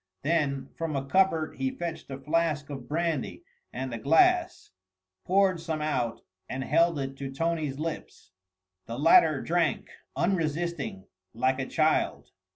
Then from a cupboard he fetched a flask of brandy and a glass, poured some out and held it to Tony's lips. The latter drank unresisting like a child.